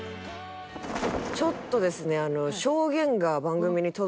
ちょっとですねあの。